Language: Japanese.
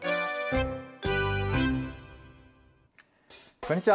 こんにちは。